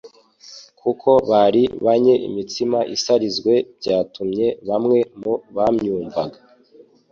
Kuko bari banye imitsima isarizwe byatumye bamwe mu bamwumvaga